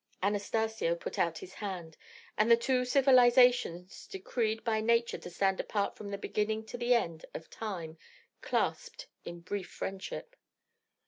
Anastacio put out his hand, and the two civilisations decreed by Nature to stand apart from the beginning to the end of time clasped in brief friendship.